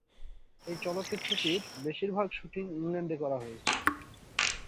এই চলচ্চিত্রটির বেশিরভাগ শুটিং ইংল্যান্ডে করা হয়েছে।